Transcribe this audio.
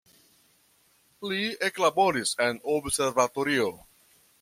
Li eklaboris en observatorio.